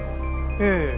ええ。